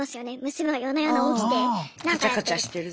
娘が夜な夜な起きてなんかやってる。